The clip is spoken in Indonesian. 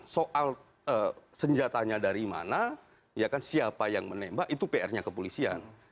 soal senjatanya dari mana siapa yang menembak itu pr nya kepolisian